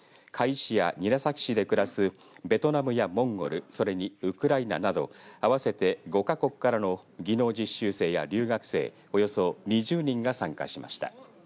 市や韮崎市で暮らすベトナムやモンゴルそれにウクライナなど合わせて５か国からの技能実習生や留学生およそ２０人が参加しました。